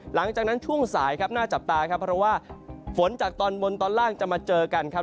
หลังจากนั้นช่วงสายครับน่าจับตาครับเพราะว่าฝนจากตอนบนตอนล่างจะมาเจอกันครับ